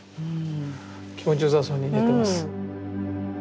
気持ちよさそうに寝てます。